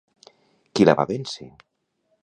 Qui la va vèncer?